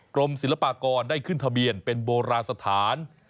กรมศิลปากรได้ขึ้นทะเบียนเป็นโบราณสถาน